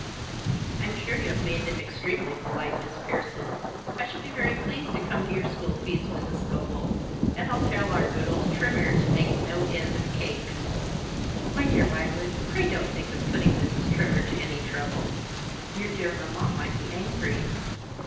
I'm sure you have made them extremely polite, Miss Pierson. I shall be very pleased to come to your school feast, Mrs. Scobel; and I'll tell our good old Trimmer to make no end of cakes." "My dear Violet, pray don't think of putting Mrs. Trimmer to any trouble. Your dear mamma might be angry."